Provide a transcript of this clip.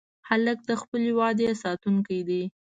هلک د خپلې وعدې ساتونکی دی.